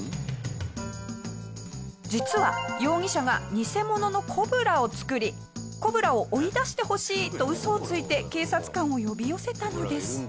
実は容疑者が偽物のコブラを作りコブラを追い出してほしいと嘘をついて警察官を呼び寄せたのです。